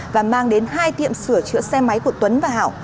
và mang đến hai tiệm sửa chữa xe máy của tuấn và hảo